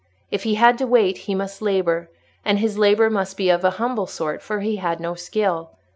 If he had to wait he must labour, and his labour must be of a humble sort, for he had no skill.